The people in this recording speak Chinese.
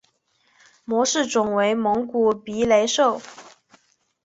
模式种为蒙古鼻雷兽。